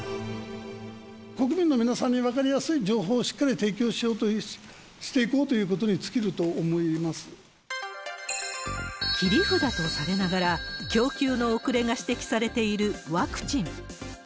国民の皆さんに分かりやすい情報をしっかり提供していこうと切り札とされながら、供給の遅れが指摘されているワクチン。